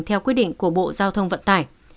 theo quy định của bộ giao thông vận tải